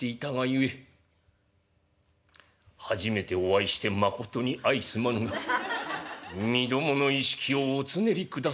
初めてお会いしてまことに相すまぬがみどもの居敷をおつねりくださらぬか」。